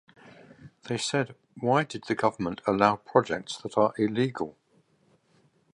They said Why did the government allow projects that are illegal?